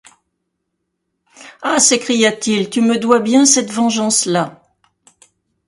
Ah! s’écria-t-il, tu me dois bien cette vengeance-là !